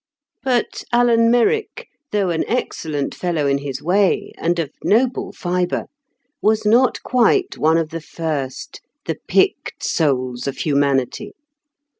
But Alan Merrick, though an excellent fellow in his way, and of noble fibre, was not quite one of the first, the picked souls of humanity.